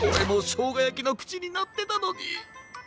もうしょうがやきのくちになってたのに。